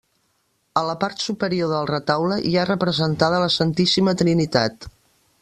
A la part superior del retaule hi ha representada la Santíssima Trinitat.